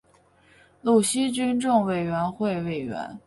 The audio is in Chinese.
鲁西军政委员会委员。